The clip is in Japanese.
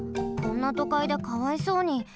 こんなとかいでかわいそうに。